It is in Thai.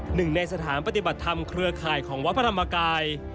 หนึ่งในสถานปฏิบัติธรรมเครือข่ายของวัดพระธรรมกาย